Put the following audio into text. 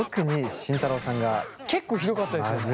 結構ひどかったですよね。